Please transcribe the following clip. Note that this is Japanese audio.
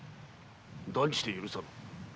断じて許さぬ。